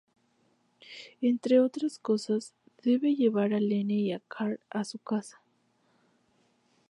Entre otras cosas, debe llevar a Lenny y a Carl a su casa.